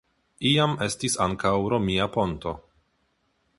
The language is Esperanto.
Iam estis ankaŭ romia ponto.